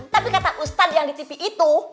tapi kata ustadz yang di tv itu